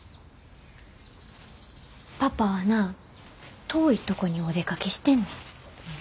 パパはな遠いとこにお出かけしてんねん。